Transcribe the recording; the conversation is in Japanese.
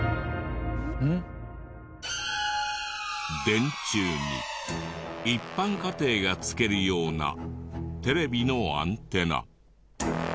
電柱に一般家庭が付けるようなテレビのアンテナ。